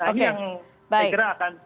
nah ini yang saya kira akan